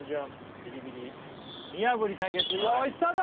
ビリビリ見破り対決用意スタート！